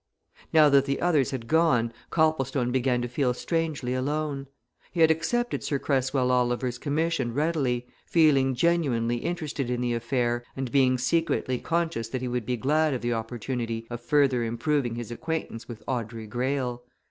Now that the others had gone, Copplestone began to feel strangely alone. He had accepted Sir Cresswell Oliver's commission readily, feeling genuinely interested in the affair, and being secretly conscious that he would be glad of the opportunity of further improving his acquaintance with Audrey Greyle.